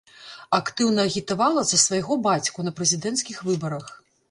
Актыўна агітавала за свайго бацьку на прэзідэнцкіх выбарах.